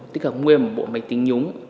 tích hợp nguyên một bộ máy tính nhúng